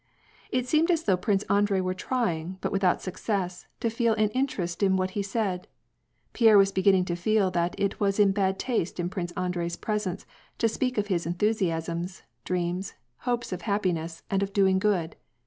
It seemed as though Piince Andrei were trying, but without success, to feel an interest in what he said. Pierre was begin ning to feel that it was in bad taste in Prince Andrei's presence to speak of his enthusiasms, dreams, hopes of happiness, and of doing good.